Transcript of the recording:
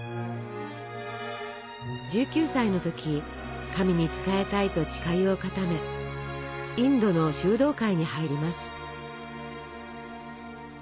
１９歳の時神に仕えたいと誓いを固めインドの修道会に入ります。